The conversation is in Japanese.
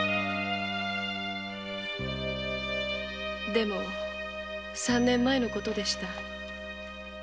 でも三年前のことでした。